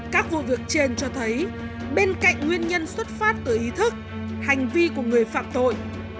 các vụ việc trên cho thấy bên cạnh nguyên nhân xuất phát từ ý thức hành vi của người phạm tội